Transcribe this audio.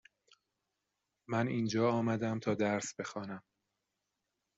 من اینجا آمدم تا درس بخوانم.